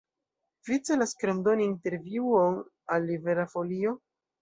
Vi celas krom doni intervjuon al Libera Folio?